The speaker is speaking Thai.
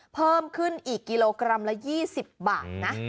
เพิ่มขึ้นอีกกิโลกรัมละ๒๐บาทนะ